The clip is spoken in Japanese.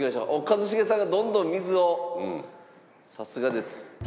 一茂さんがどんどん水をさすがです。